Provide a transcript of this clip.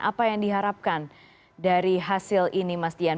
apa yang diharapkan dari hasil ini mas dian